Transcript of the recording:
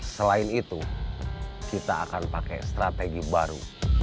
selain itu kita akan pakai strategi baru